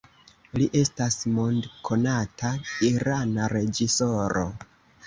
Li estas mondkonata irana reĝisoro.